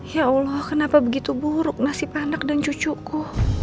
ya allah kenapa begitu buruk nasib anak dan cucuku